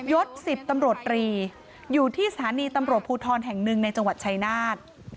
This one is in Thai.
ศ๑๐ตำรวจรีอยู่ที่สถานีตำรวจภูทรแห่งหนึ่งในจังหวัดชายนาฏ